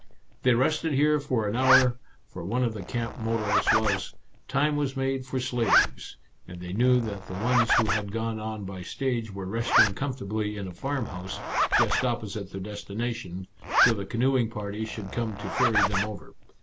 They rested here for an hour, for one of the camp mottoes was, " Time was made for slaves," and they knew that the ones who had gone on by stage were resting comfortably in a farmhouse, just opposite their destination, till the canoeing party should come to ferry them over.